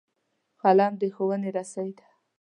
قلم د ښوونې رسۍ ده